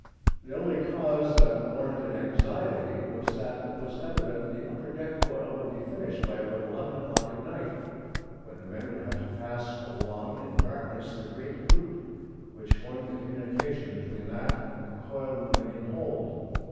The only cause that warranted anxiety was that it was evident the upper deck coil would be finished by about eleven o'clock at night, when the men would have to pass along in darkness the great loop which formed the communication between that and the coil in the main hold.